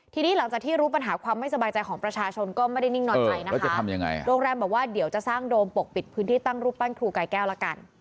ทีนี้หลังจากที่รู้ปัญหาความไม่สบายใจของประชาชนก็ไม่ได้นิ่งนอนใจนะคะโรงแรมบอกว่าเดี๋ยวจะสร้างโดมปกปิดพื้นที่ตั้งรูปปั้นครูกายแก้วละกัน